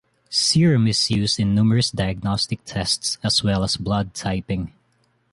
Serum is used in numerous diagnostic tests, as well as blood typing.